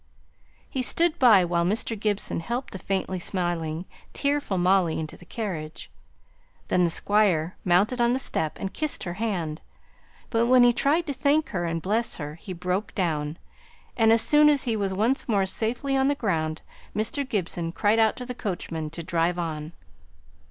He stood by while Mr. Gibson helped the faintly smiling, tearful Molly into the carriage. Then the Squire mounted on the step and kissed her hand; but when he tried to thank her and bless her, he broke down; and as soon as he was once more safely on the ground, Mr. Gibson cried out to the coachman to drive on.